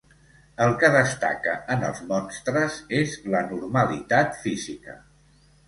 El que destaca en els monstres és l'anormalitat física.